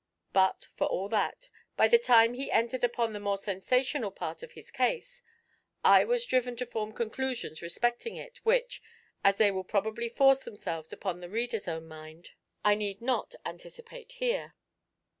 But for all that, by the time he entered upon the more sensational part of his case, I was driven to form conclusions respecting it which, as they will probably force themselves upon the reader's own mind, I need not anticipate here.